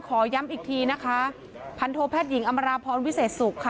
ขอย้ำอีกทีนะคะพันโทแพทย์หญิงอำราพรวิเศษสุขค่ะ